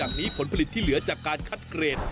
นี้ผลผลิตที่เหลือจากการคัดเกรด